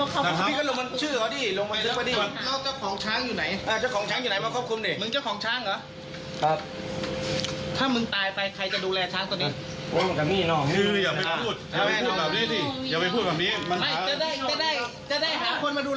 พี่ก็ลงมาชื่อเขาดีลงมาชื่อเขาดี